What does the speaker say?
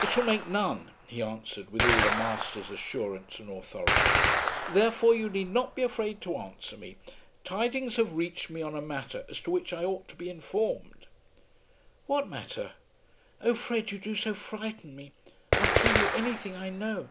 "It shall make none," he answered with all a master's assurance and authority. "Therefore you need not be afraid to answer me. Tidings have reached me on a matter as to which I ought to be informed." "What matter? Oh Fred, you do so frighten me. I'll tell you anything I know."